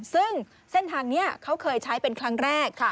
ซึ่งเส้นทางนี้เขาเคยใช้เป็นครั้งแรก